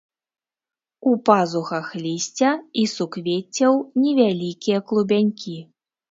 У пазухах лісця і суквеццяў невялікія клубянькі.